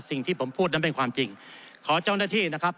สิ่งที่ผมพูดนั้นเป็นความจริงขอเจ้าหน้าที่นะครับ